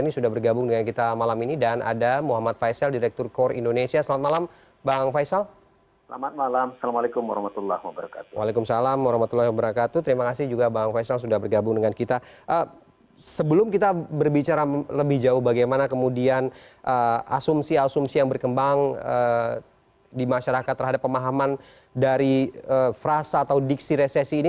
sebelum kita berbicara lebih jauh bagaimana kemudian asumsi asumsi yang berkembang di masyarakat terhadap pemahaman dari frasa atau diksi resesi ini